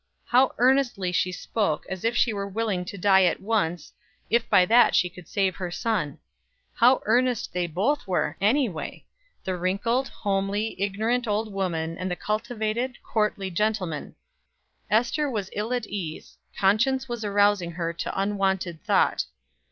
How earnestly she spoke, as if she were willing to die at once, if by that she could save her son. How earnest they both were, anyway the wrinkled, homely, ignorant old woman and the cultivated, courtly gentleman. Ester was ill at ease conscience was arousing her to unwonted thought.